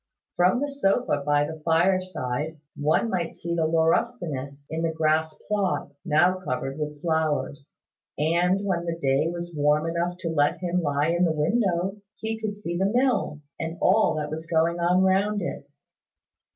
From the sofa by the fire side one might see the laurustinus on the grass plot, now covered with flowers: and when the day was warm enough to let him lie in the window, he could see the mill, and all that was going on round it.